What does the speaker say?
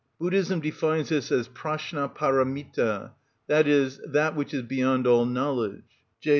Buddhism defines this as Pratschna Paramita, i.e., that which is beyond all knowledge (J.